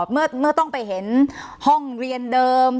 เมื่อต้องไปเห็นห้องเรียนเดิม